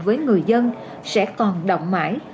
với người dân sẽ còn động mãi